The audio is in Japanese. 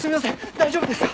大丈夫ですか？